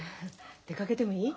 出かけてもいい？